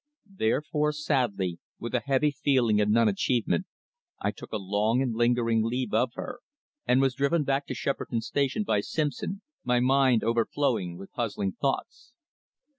Therefore, sadly, with a heavy feeling of non achievement, I took a long and lingering leave of her, and was driven back to Shepperton Station by Simpson, my mind overflowing with puzzling thoughts.